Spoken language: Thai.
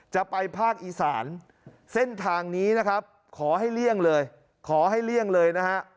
จะไปภาคอีสานเส้นทางนี้นะครับขอให้เลี่ยงเลยขอให้เลี่ยงเลยนะฮะ